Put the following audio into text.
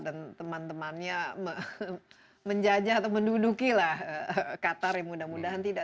dan teman temannya menjajah atau menduduki qatar ya mudah mudahan tidak